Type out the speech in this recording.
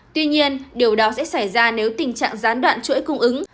tuy nhiên điều đó sẽ xảy ra nếu tình trạng gián đoạn chuỗi cung ứng